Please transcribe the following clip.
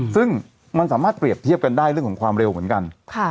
ซึ่งมันสามารถเปรียบเทียบกันได้เรื่องของความเร็วเหมือนกัน